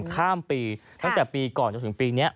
ข้ามปีตั้งแต่ปีก่อนจนถึงปีนี้